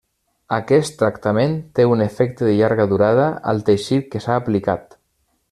Aquest tractament té un efecte de llarga durada al teixit que s'ha aplicat.